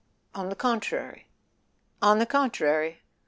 On the contrary " "On the contrary?"